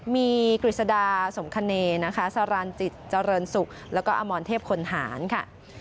มีกฤษดาสมคเนสาราญจิตเจ้าเรินสุขแล้วก็อมรเทพคนหานค่ะ